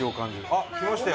あっきましたよ。